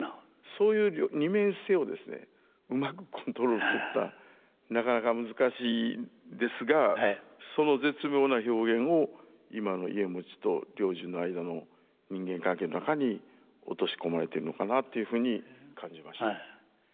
そういう二面性をですねうまくコントロールするっていうのはなかなか難しいですがその絶妙な表現を今の家茂と良順の間の人間関係の中に落とし込まれているのかなっていうふうに感じましたね。